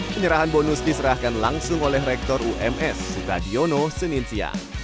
penyerahan bonus diserahkan langsung oleh rektor ums sukadiono seninsia